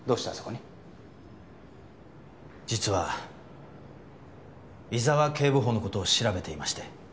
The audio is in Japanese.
実は伊沢警部補の事を調べていまして。